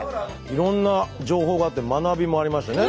いろんな情報があって学びもありましたね。